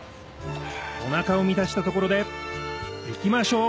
お腹を満たしたところで行きましょう！